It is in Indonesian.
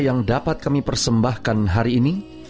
yang dapat kami persembahkan hari ini